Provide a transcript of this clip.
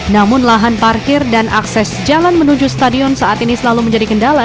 namun lahan parkir dan akses jalan menuju stadion saat ini selalu menjadi kendala